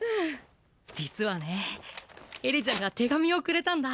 実はねエリちゃんが手紙をくれたんだ！